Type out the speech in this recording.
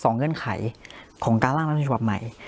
๒เงื่อนไขของการล่างร่างธนาคตชับใหม่